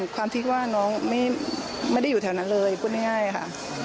ความที่ว่าน้องไม่ได้อยู่แถวนั้นเลยพูดง่ายค่ะ